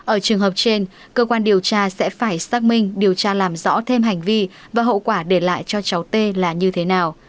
ở trường hợp trên cơ quan điều tra sẽ phải xác minh điều tra làm rõ thêm hành vi và hậu quả để lại cho cháu tê là như thế nào